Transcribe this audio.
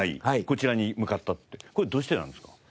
こちらに向かったってこれどうしてなんですか？